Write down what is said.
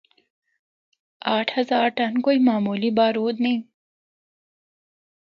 اٹھ ہزار ٹن کوئی معمولی بارود نیں۔